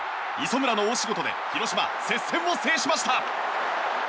磯村の大仕事で広島、接戦を制しました。